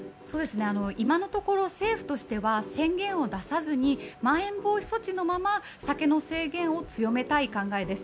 今のところ政府としては宣言を出さずにまん延防止措置のまま酒の制限を強めたい考えです。